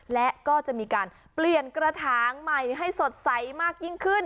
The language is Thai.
และก็จะมีการเปลี่ยนกระถางใหม่ให้สดใสมากยิ่งขึ้น